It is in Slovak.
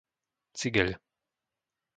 Cigeľ